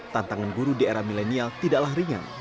tantangan guru di era milenial tidaklah ringan